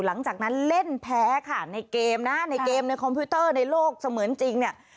หลังจากนั้นเล่นแพ้ค่ะในเกมนะในเกมในคอมพิวเตอร์ในโลกเสมือนจริงเนี่ย